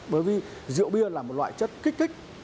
bởi vì rượu bia là một loại chất kích thích